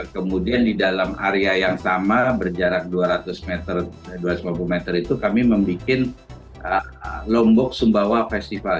kemudian di dalam area yang sama berjarak dua ratus lima puluh meter itu kami membuat lombok sumbawa festival